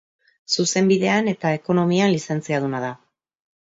Zuzenbidean eta Ekonomian lizentziaduna da.